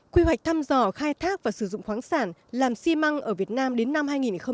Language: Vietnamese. quy hoạch thăm dò khai thác và sử dụng khoáng sản làm xi măng ở việt nam đến năm hai nghìn hai mươi